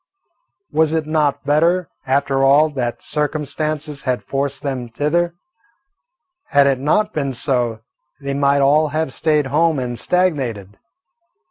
Was it not better, after all, that circumstances had forced them thither? Had it not been so, they might all have stayed home and stagnated.